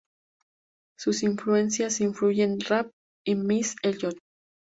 Sus influencias incluyen rap y Missy Elliott.